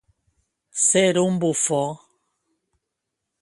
Ser un bufó.